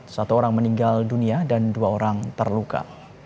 satu orang meninggal dunia dan dua orang terluka